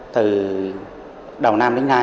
từ đầu năm đến nay